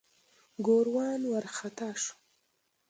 ګوروان وارخطا شو.